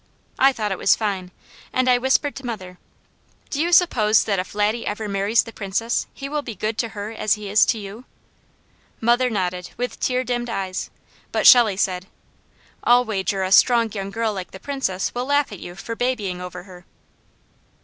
I thought it was fine, and I whispered to mother: "Do you suppose that if Laddie ever marries the Princess he will be good to her as he is to you?" Mother nodded with tear dimmed eyes, but Shelley said: "I'll wager a strong young girl like the Princess will laugh at you for babying over her."